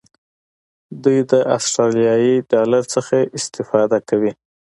دوی د آسترالیایي ډالر څخه استفاده کوي.